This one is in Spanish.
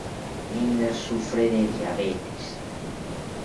Linda sufre de diabetes.